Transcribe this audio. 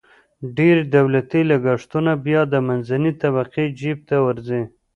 ډېری دولتي لګښتونه بیا د منځنۍ طبقې جیب ته ورځي.